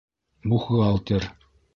Бухгалтер.